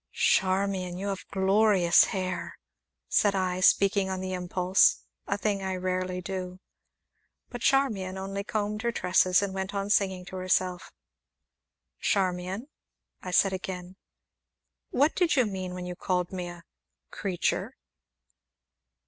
"Charmian, you have glorious hair!" said I, speaking on the impulse a thing I rarely do. But Charmian only combed her tresses, and went on singing to herself. "Charmian," said I again, "what did you mean when you called me a creature?"